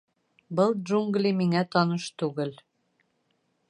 Был джунгли миңә таныш түгел...